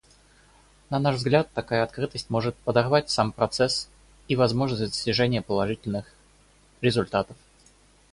На наш взгляд, такая открытость может подорвать сам процесс и возможность достижения положительных результатов.